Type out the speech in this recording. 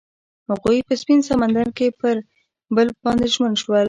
هغوی په سپین سمندر کې پر بل باندې ژمن شول.